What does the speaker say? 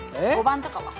５番とかは？